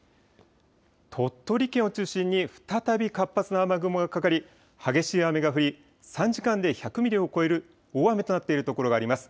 鳥取県を中心に、再び活発な雨雲がかかり、激しい雨が降り、３時間で１００ミリを超える大雨となっている所があります。